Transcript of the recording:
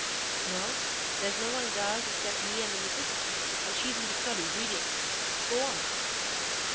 "No, there's no one in the 'ouse except me and the missus, and she's in the study reading. Go on."